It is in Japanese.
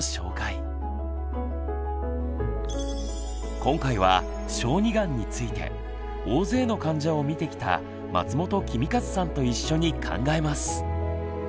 今回は小児がんについて大勢の患者をみてきた松本公一さんと一緒に考えます！